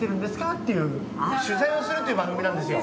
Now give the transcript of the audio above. っていう取材をするって番組なんですよ。